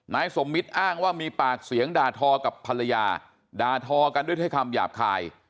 นายสมมิตรอ้างว่ามีปากเสียงด่าทอกับภรรยาด่าทอกันด้วยคำหยาบคาย